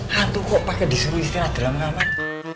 hantu kok pake disuruh istirahat dalam kamar